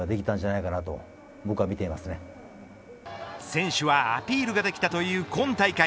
選手はアピールができたという今大会。